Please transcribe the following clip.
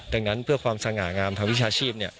แต่งนั้นเพื่อความสนะหงามกับพฤชาชีพ